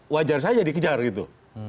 wajar saja dikejar gitu